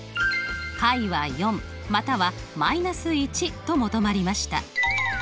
解は４または−１と求まりました。